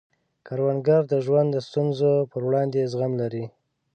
کروندګر د ژوند د ستونزو پر وړاندې زغم لري